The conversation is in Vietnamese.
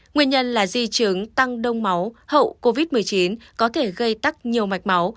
nguyên nhân là di chứng tăng đông máu hậu covid một mươi chín có thể gây tắc nhiều mạch máu